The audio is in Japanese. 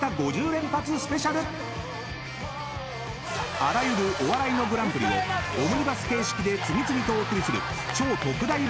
［あらゆるお笑いのＧＰをオムニバス形式で次々とお送りする超特大番組］